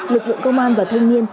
lực lượng công an và thanh niên